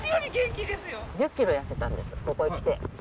１０キロ痩せたの、ここへ来て。